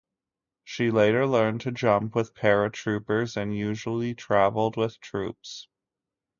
She later learned to jump with paratroopers, and usually travelled with troops.